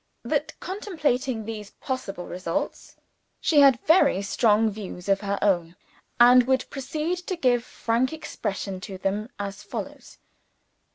That, contemplating these possible results, she held very strong views of her own, and would proceed to give frank expression to them as follows.